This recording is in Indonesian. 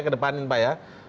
kedepanin pak ya